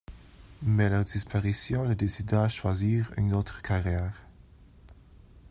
Mais leur disparition le décida à choisir une autre carrière.